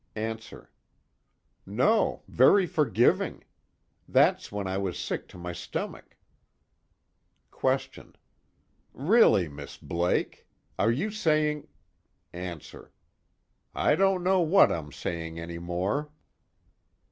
ANSWER: No, very forgiving. That's when I was sick to my stomach. QUESTION: Really, Miss Blake! Are you saying ANSWER: I don't know what I'm saying any more.